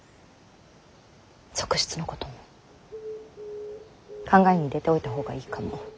側室のことも考えに入れておいた方がいいかも。